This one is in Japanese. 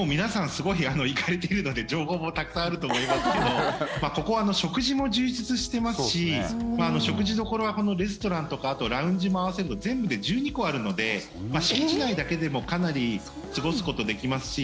すごい行かれてるので情報もたくさんあると思いますけどここは食事も充実していますし食事どころはこのレストランとかあとラウンジも合わせると全部で１２個あるので敷地内だけでもかなり過ごすことできますし。